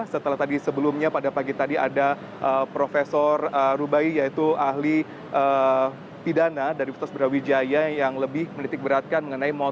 setelah tadi sebelumnya pada pagi tadi ada prof rubai yaitu ahli pidana dari universitas brawijaya yang lebih menitik beratkan